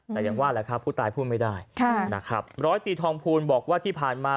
แต่ยังว่าแหละครับผู้ตายพูดไม่ได้ค่ะนะครับร้อยตีทองภูลบอกว่าที่ผ่านมา